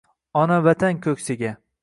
Ona-Vatan ko’ksiga